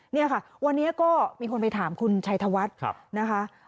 นี่ค่ะวันนี้ก็มีคนไปถามคุณชัยธวัฒน์นะคะ